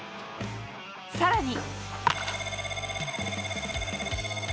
さらに。